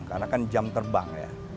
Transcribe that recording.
karena kan jam terbang ya